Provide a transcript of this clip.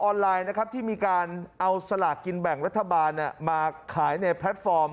ไลน์นะครับที่มีการเอาสลากกินแบ่งรัฐบาลมาขายในแพลตฟอร์ม